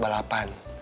ya udah kan